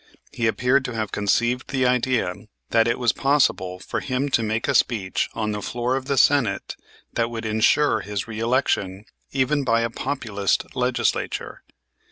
He appeared to have conceived the idea that it was possible for him to make a speech on the floor of the Senate that would insure his reëlection even by a Populist Legislature.